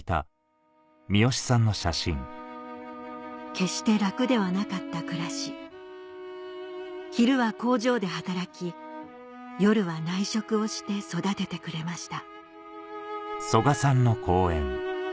決して楽ではなかった暮らし昼は工場で働き夜は内職をして育ててくれました